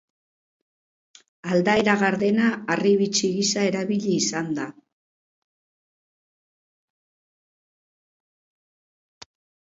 Aldaera gardena harribitxi gisa erabili izan da.